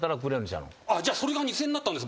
あっじゃあそれが２，０００円になったんです